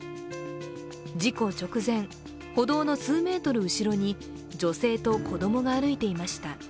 事故直前、歩道の数メートル後ろに女性と子供が歩いていました。